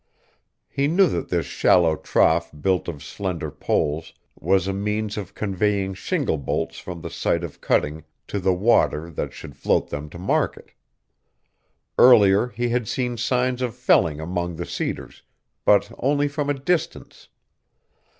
He knew that this shallow trough built of slender poles was a means of conveying shingle bolts from the site of cutting to the water that should float them to market. Earlier he had seen signs of felling among the cedars, but only from a distance.